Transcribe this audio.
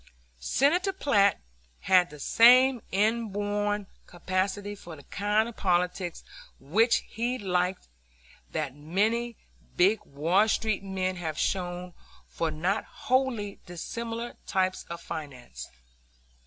Senator Platt had the same inborn capacity for the kind of politics which he liked that many big Wall Street men have shown for not wholly dissimilar types of finance.